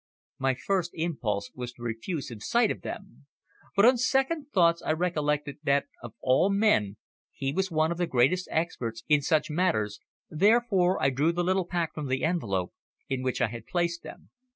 My first impulse was to refuse him sight of them, but on second thoughts I recollected that of all men he was one of the greatest experts in such matters, therefore I drew the little pack from the envelope in which I had placed them.